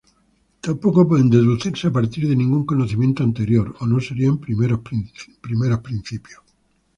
Tampoco pueden deducirse a partir de ningún conocimiento anterior, o no serían primeros principios.